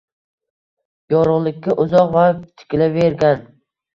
Yorug’likka uzoq vaqt tikilavergan.